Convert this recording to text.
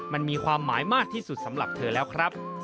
มันมีความหมายมากที่สุดสำหรับเธอแล้วครับ